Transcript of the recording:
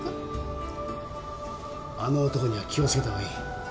あの男には気を付けた方がいい。